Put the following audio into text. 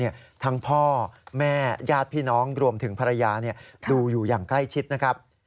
ทั้งพ่อแม่ญาติพี่น้องรวมถึงภรรยาดูอยู่อย่างใกล้ชิดนะครับ